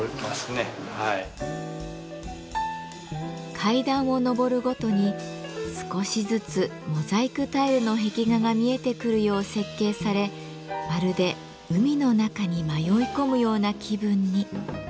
階段を上るごとに少しずつモザイクタイルの壁画が見えてくるよう設計されまるで海の中に迷い込むような気分に。